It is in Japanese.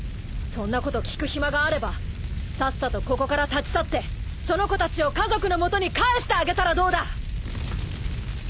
そんなこと聞く暇があればさっさとここから立ち去ってその子たちを家族の元に返してあげたらどうだ。